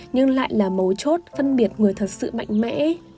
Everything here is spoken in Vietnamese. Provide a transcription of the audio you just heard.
nhưng lại là mấu chốt phân biệt người thật sự mạnh mẽ